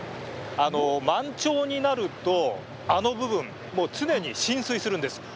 満潮になると、あの部分常に浸水するんです。